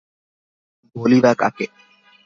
বলি বা কাকে!